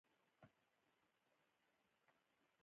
خلک له خره وډار شول.